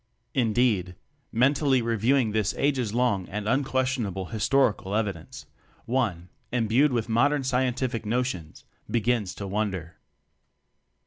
Indeed, mentally reviewing this ages long and unquestionable historical ev idence, one embued with modern scientific notions begins to wonder.